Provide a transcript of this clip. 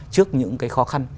trước những cái khó khăn